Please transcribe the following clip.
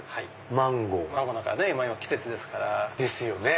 マンゴーなんか今季節ですから。ですよね。